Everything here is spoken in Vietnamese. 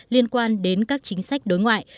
liên quan đến các chính sách đối ngoại